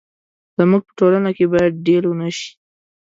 زموږ په ټولنه کې باید ډيل ونه شي.